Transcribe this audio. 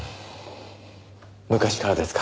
昔からですか。